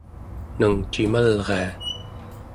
nangcimalria